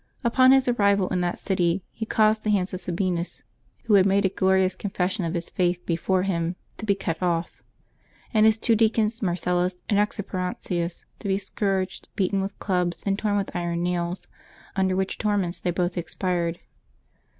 Upon his arrival in that city he caused the hands of Sabinus, who had made a glorious confession of his Faith before him, to be cut off; and his two deacons, Marcellus and Exuperantius, to be scourged, beaten with clubs, and torn with iron nails, under which torments they both expired.